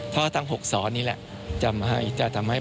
เพราะทั้ง๖สอนนี่แหละจะทำให้